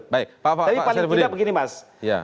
tapi paling tidak begini mas